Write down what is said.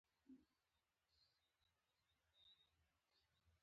• د برېښنا تولید کې باید نوي تخنیکونه وکارول شي.